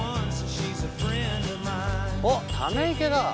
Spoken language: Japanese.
おっため池だ。